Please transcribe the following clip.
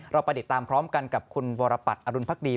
เราไปติดตามพร้อมกันกับคุณวรปัตรอรุณภักดี